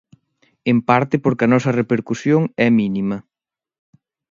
En parte porque a nosa repercusión é mínima.